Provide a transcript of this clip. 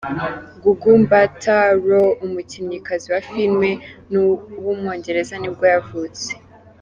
Gugu Mbatha-Raw, umukinnyikazi wa filime w’umwongereza, nibwo yavutse.